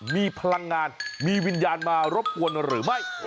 มีพลังงานมีวิญญาณมารบกวนหรือไม่